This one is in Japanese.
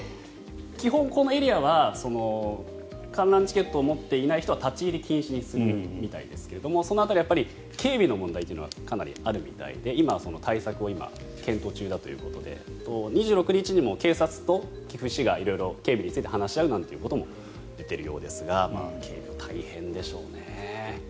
基本このエリアは観覧チケットを持っていない人は立ち入り禁止にするみたいですけれどもその辺りは警備の問題がかなりあるみたいで今は対策を検討中だということで２６日にも警察と岐阜市が色々警備について話し合うということも出ているようですが警備は大変でしょうね。